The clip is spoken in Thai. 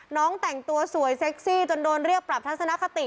น้องแต่งตัวสวยเซ็กซี่จนโดนเรียกปรับทัศนคติ